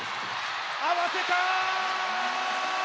合わせた！